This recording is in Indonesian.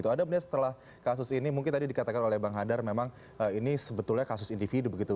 anda melihat setelah kasus ini mungkin tadi dikatakan oleh bang hadar memang ini sebetulnya kasus individu begitu